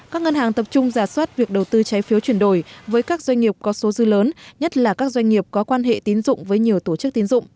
các ngân hàng tập trung giả soát việc đầu tư trái phiếu chuyển đổi với các doanh nghiệp có số dư lớn nhất là các doanh nghiệp có quan hệ tín dụng với nhiều tổ chức tín dụng